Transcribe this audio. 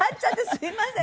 すみません。